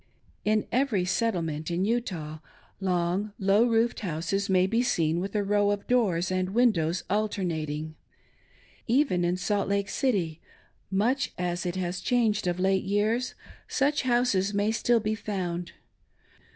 In every settlement in Utah, long, low roofed houses may be seen with a row of doors and Windows alternating. Even in Salt Lake City, much as it h^is changed of late years,' such houses may still be found.